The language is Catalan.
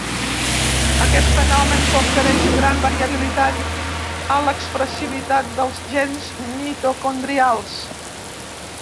Aquest fenomen confereix gran variabilitat a l'expressivitat dels gens mitocondrials.